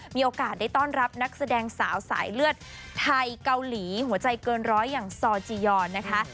มีโอกาสได้ต้อนรับนักแสดงสาวสายเลือดไทยเกาหลีหัวใจเกินร้อยอย่างซอจียอนนะคะ